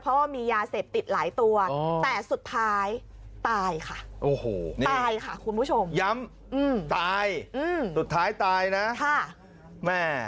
เพราะว่ามียาเสพติดหลายตัวแต่สุดท้ายตายค่ะโอ้โหตายค่ะคุณผู้ชมย้ำตายสุดท้ายตายนะค่ะแม่